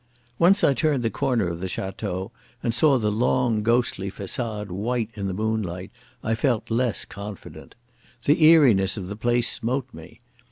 Once I turned the corner of the Château and saw the long ghostly façade white in the moonlight, I felt less confident. The eeriness of the place smote me.